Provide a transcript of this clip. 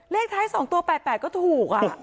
เลขท้าย๒ตัว๘๘ก็ถูก